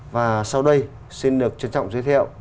và sau đây xin được trân trọng giới thiệu